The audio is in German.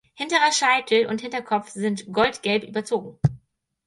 Hinterer Scheitel und Hinterkopf sind goldgelb überzogen.